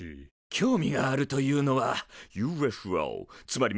興味があるというのはＵＦＯつまり未確認飛行物体？